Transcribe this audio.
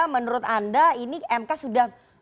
menurut anda ini mk sudah